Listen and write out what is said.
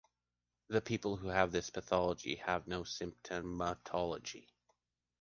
People who have this pathology have no symptomatology.